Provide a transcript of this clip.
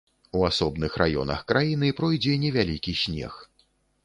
У асобных раёнах краіны пройдзе невялікі снег.